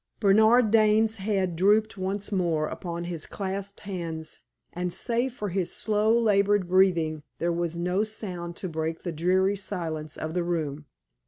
Bernard Dane's head drooped once more upon his clasped hands, and save for his slow, labored breathing, there was no sound to break the dreary silence of the room.